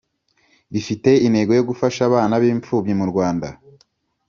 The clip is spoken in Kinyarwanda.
rifite intego yo gufasha abana b impfubyi mu Rwanda